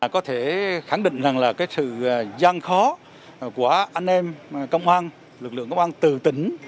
có thể khẳng định rằng là cái sự gian khó của anh em công an lực lượng công an từ tỉnh